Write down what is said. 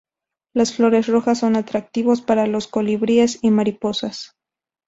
Las flores rojas son atractivos para los colibríes y mariposas.